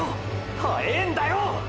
早えぇんだよ！！